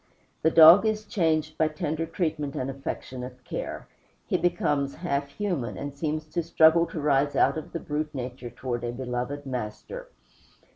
The dog is changed by tender treatment and affectionate care; he becomes half human, and seems to struggle to rise out of the brute nature toward a beloved master.